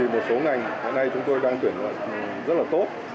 một số ngành hôm nay chúng tôi đang tuyển rất là tốt